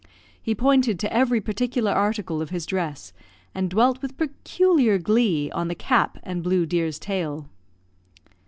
He pointed to every particular article of his dress, and dwelt with peculiar glee on the cap and blue deer's tail.